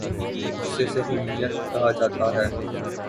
جسے صہیونیت کہا جا تا ہے۔